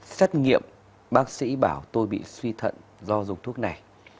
xét nghiệm bác sĩ bảo tôi bị suy thận do dùng thuốc này